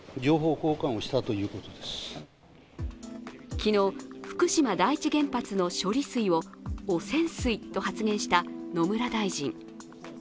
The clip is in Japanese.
昨日、福島第一原発の処理水を汚染水と発言した野村大臣。